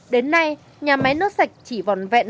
đến nay nhà máy nước sạch chỉ vòn vẹn